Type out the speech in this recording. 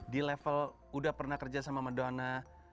di level udah pernah kerja sama madonna